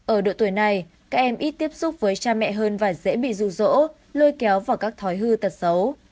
ở độ tuổi này các em ít tiếp xúc với cha mẹ hơn và dễ bị rủ rỗ lôi kéo vào các thói hư tật xấu